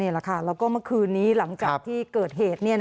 แล้วก็เมื่อคืนนี้หลังจากที่เกิดเหตุ